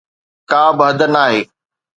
ڪابه حد ناهي.